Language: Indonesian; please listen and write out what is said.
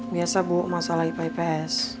biasa bu masalah ipps